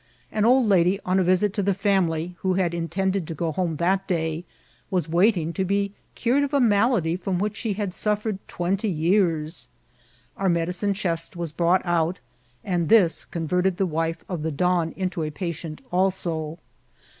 An old lady on a visit to the family, who had intended to go homo that day, was waiting to be cured of a malady from which she had suflfered twenty years. Oar medi eine*che6t was brought out, and this converted the wife ef the don into a patient also.